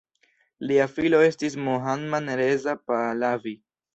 Lia filo estis Mohammad Reza Pahlavi.